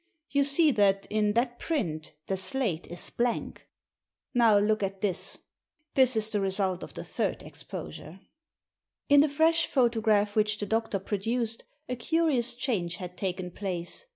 You see that in that print the slate is blank. Now look at this — ^this is the result of the third exposure !" In the fresh photograph which the doctor pro duced a curious change had taken place.